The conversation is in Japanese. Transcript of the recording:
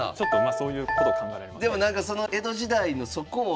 そういうことを考えられますね。